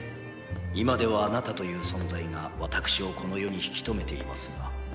今ではあなたという存在が私をこの世に引き止めていますが。